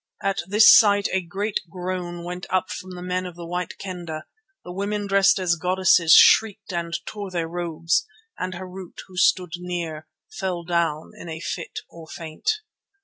At this sight a great groan went up from the men of the White Kendah, the women dressed as goddesses shrieked and tore their robes, and Harût, who stood near, fell down in a fit or faint.